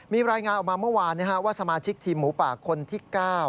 มีรายงานออกมาเมื่อวานว่าสมาชิกทีมหมูป่าคนที่๙